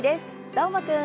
どーもくん！